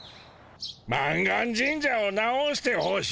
満願神社を直してほしい？